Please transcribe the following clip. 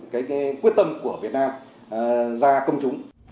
cái quyết tâm của việt nam ra công chúng